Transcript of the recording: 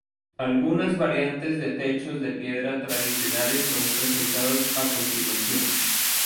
Algunas variantes de techos de piedra tradicionales son presentados a continuación.